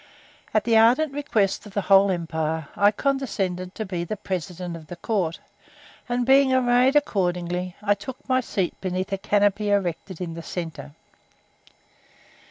At the ardent request of the whole empire I condescended to be the president of the court, and being arrayed accordingly, I took my seat beneath a canopy erected in the centre.